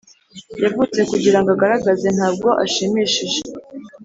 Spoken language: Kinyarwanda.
yavutse kugirango agaragaze, ntabwo ashimishije.